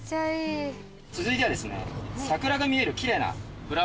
続いてはですね。